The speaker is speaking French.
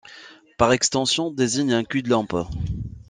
Par extension, désigne un cul-de-lampe.